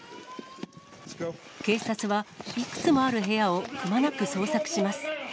警察はいくつもある部屋をくまなく捜索します。